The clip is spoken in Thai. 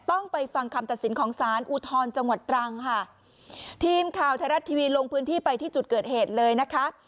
ต้องไปฟังคำตัดสินของสารอุทธรณ์จังหวัดตรังค่ะทีมข่าวไทยรัฐทีวีลงพื้นที่ไปที่จุดเกิดเหตุเลยนะคะ